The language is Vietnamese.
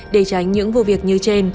để tránh những vụ việc như trên